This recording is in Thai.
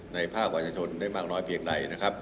ในภาควัฒนธนได้มากน้อยเพียงใด